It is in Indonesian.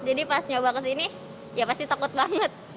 jadi pas nyoba kesini ya pasti takut banget